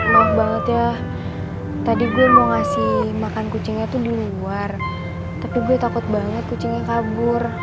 maaf banget ya tadi gue mau ngasih makan kucingnya tuh di luar tapi gue takut banget kucingnya kabur